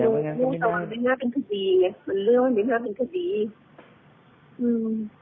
ไม่งั้นก็ไม่น่าเป็นคดีมันเรื่องไม่น่าเป็นคดีอืม